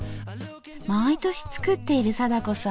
毎年作っている貞子さん。